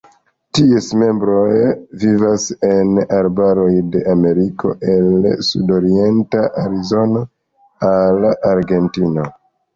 Ties membroj vivas en arbaroj de Ameriko el sudorienta Arizono al Argentino.